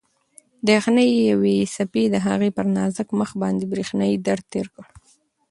د یخنۍ یوې څپې د هغې پر نازک مخ باندې برېښنايي درد تېر کړ.